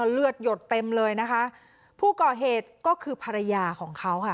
หยดเต็มเลยนะคะผู้ก่อเหตุก็คือภรรยาของเขาค่ะ